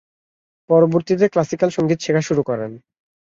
পরবর্তীতে ক্লাসিক্যাল সংগীত শেখা শুরু করেন।